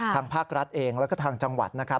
ทางภาครัฐเองแล้วก็ทางจังหวัดนะครับ